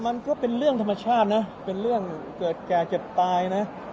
มันก็เป็นเรื่องธรรมชาตินะเป็นเรื่องเกิดแก่เจ็บตายนะ